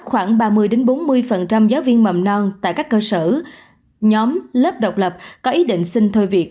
khoảng ba mươi bốn mươi giáo viên mầm non tại các cơ sở nhóm lớp độc lập có ý định xin thôi việc